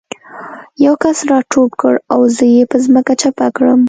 یو کس را ټوپ کړ او زه یې په ځمکه چپه کړم